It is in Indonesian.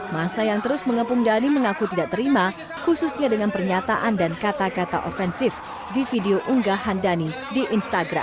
masa yang terus mengepung dhani mengaku tidak terima khususnya dengan pernyataan dan kata kata ofensif di video unggahan dhani di instagram